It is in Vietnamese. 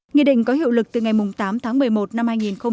nghị định có hiệu lực từ ngày tám tháng một mươi một năm hai nghìn một mươi chín